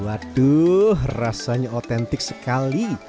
aduh rasanya otentik sekali